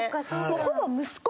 ほぼ息子。